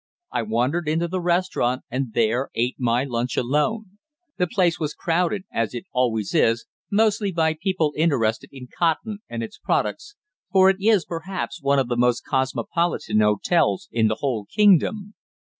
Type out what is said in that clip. I wandered into the restaurant, and there ate my lunch alone. The place was crowded, as it always is, mostly by people interested in cotton and its products, for it is, perhaps, one of the most cosmopolitan hotels in the whole kingdom.